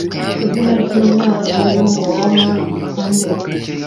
Izina ry'Imana y'Umuroma yitwa nde?